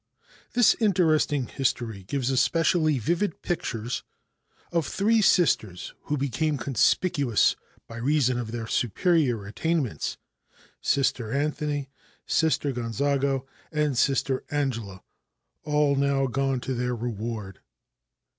This interesting history gives especially vivid pictures of three Sisters who became conspicuous by reason of their superior attainments Sister Anthony, Sister Gonzago and Sister Angela all now gone to their reward.